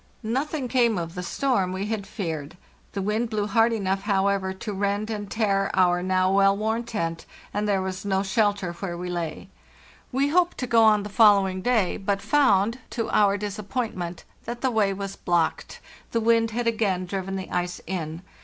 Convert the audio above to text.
Nothing came of the storm we had feared. The wind blew hard enough, however, to rend and tear our now well worn tent, and there was no. shelter where we lay. We hoped to go on on the following day, but found, to our disappointment, that the way was blocked ; the wind had again driven the ice in.